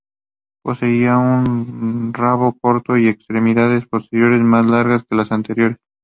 Poseía un rabo corto y extremidades posteriores más largas que las anteriores.